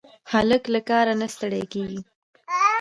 هلک له کاره نه ستړی کېږي.